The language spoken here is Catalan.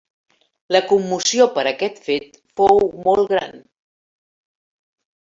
La commoció per aquest fet fou molt gran.